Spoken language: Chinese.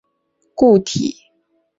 它是一种暗红色易潮解的固体。